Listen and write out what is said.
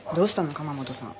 鎌本さん。